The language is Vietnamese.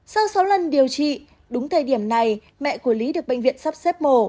sau sáu lần điều trị đúng thời điểm này mẹ của lý được bệnh viện sắp xếp mổ